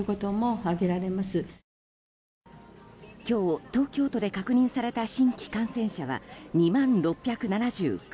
今日、東京都で確認された新規感染者は２万６７９人。